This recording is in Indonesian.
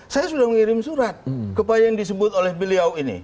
saya sudah mengirim surat kepada yang disebut oleh beliau ini